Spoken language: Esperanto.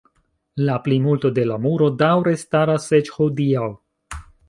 La plimulto de la muro daŭre staras eĉ hodiaŭ.